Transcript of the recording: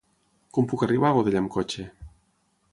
Com puc arribar a Godella amb cotxe?